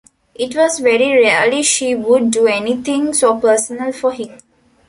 It was very rarely she would do anything so personal for him.